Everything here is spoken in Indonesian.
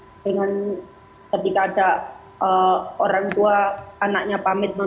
kita bisa dengan ketika ada orang tua anaknya pamit